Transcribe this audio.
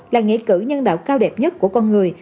là nghĩa cử nhân đạo cao đẹp nhất của con người